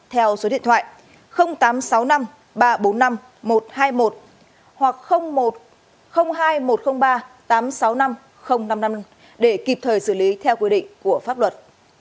theo số điện thoại tám trăm sáu mươi năm ba trăm bốn mươi năm một trăm hai mươi một hoặc một trăm linh hai một trăm linh ba tám trăm sáu mươi năm năm trăm năm mươi năm để kịp thời xử lý theo quy định của pháp luật